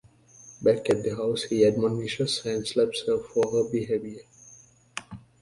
Back at the house, he admonishes and slaps her for her behavior.